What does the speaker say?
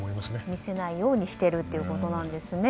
見せないようにしているということなんですね。